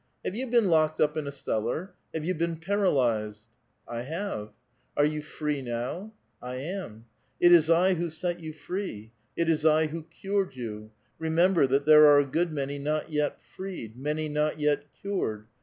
Have you been locked up in a cellar? Have you been paralyzed?" ''I have." '•Are vou free now?" '•lam'." '' It is I who set you free ; it is I who cured you. Remem ber, that tliere are a good many not yet freed ; many not yet cured.